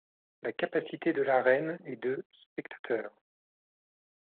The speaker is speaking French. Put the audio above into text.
La capacité de l'arène est de spectateurs.